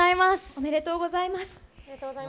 ありがとうございます。